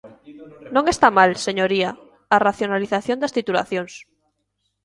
Non está mal, señoría, a racionalización das titulacións.